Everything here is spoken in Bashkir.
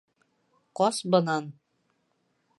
— Ҡас бынан!